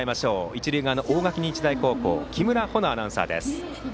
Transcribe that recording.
一塁側の大垣日大高校木村穂乃アナウンサーです。